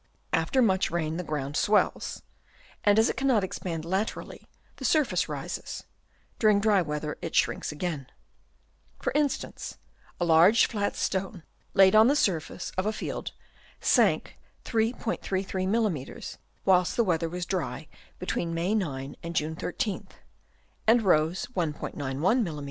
After much rain the ground swells, and as it cannot expand laterally, the surface rises ; during dry weather it sinks again. For instance, a large flat stone laid on the surface of a field sank 3*33 mm. whilst the weather was dry between May 9th and June 13th, and rose 1*91 mm.